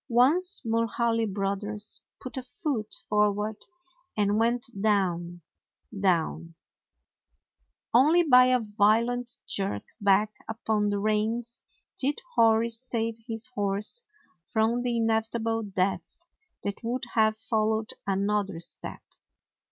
Once Mulhaly Brothers put a foot forward, and went down, down; only by a violent jerk back upon the reins did Hori save his horse from the inevitable death that would have followed another step.